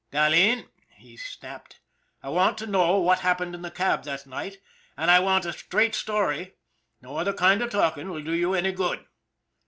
" Dahleen," he snapped, " I want to know what happened in the cab that night, and I want a straight story. No other kind of talking will do you any good."